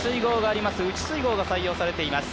すいごうが採用されています。